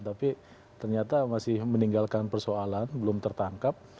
tapi ternyata masih meninggalkan persoalan belum tertangkap